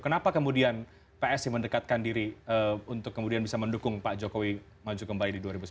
kenapa kemudian psi mendekatkan diri untuk kemudian bisa mendukung pak jokowi maju kembali di dua ribu sembilan belas